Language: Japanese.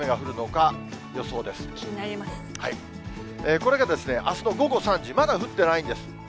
これがあすの午後３時、まだ降ってないんです。